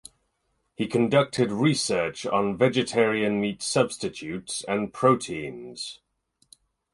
He conducted research on vegetarian meat substitutes and proteins.